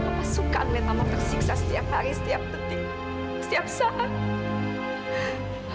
mama suka ngeliat mama tersiksa setiap hari setiap detik setiap saat